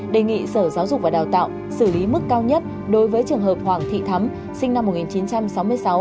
đề nghị sở giáo dục và đào tạo xử lý mức cao nhất đối với trường hợp hoàng thị thắm sinh năm một nghìn chín trăm sáu mươi sáu